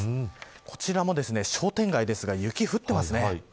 こちらも商店街ですが雪が降っていますね。